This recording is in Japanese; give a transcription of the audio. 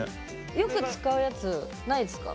よく使うやつないですか？